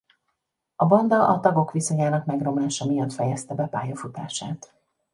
A banda a tagok viszonyának megromlása miatt fejezte be pályafutását.